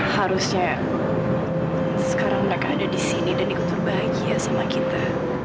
harusnya sekarang mereka ada di sini dan ikut berbahagia sama kita